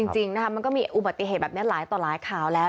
จริงนะคะมันก็มีอุบัติเหตุแบบนี้หลายต่อหลายข่าวแล้ว